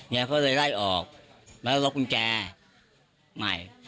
เนี้ยเขาเลยไล่ออกแล้วลบกุญแจใหม่